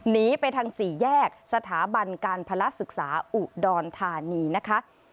หนีไปทางสี่แยกสถาบันการพละศึกษาอุดรธานีนะคะ